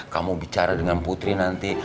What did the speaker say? kamu bicara dengan putri nanti